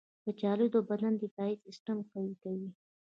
کچالو د بدن دفاعي سیستم قوي کوي.